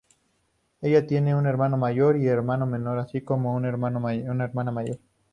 Ella tiene un hermano mayor y un hermano menor, así como una hermana mayor.